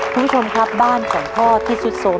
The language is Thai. ทุกคนครับบ้านของพ่อที่สุดโทรม